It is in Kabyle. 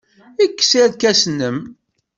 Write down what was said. Kkes irkasen-nnem.